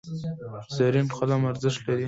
زرین قلم ارزښت لري.